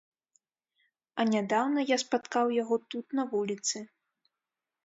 А нядаўна я спаткаў яго тут на вуліцы.